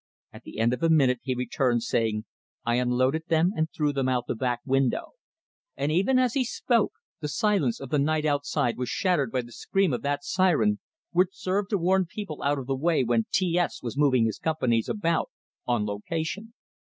At the end of a minute, he returned, saying, "I unloaded them and threw them out of the back window." And even as he spoke, the silence of the night outside was shattered by the scream of that siren, which served to warn people out of the way when T S was moving his companies about "on location."